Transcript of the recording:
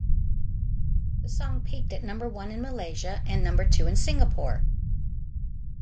The song peaked at number one in Malaysia and number two in Singapore.